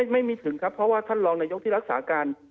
ไม่มีถึงครับเพราะว่าท่านรองนายกที่รักษาการ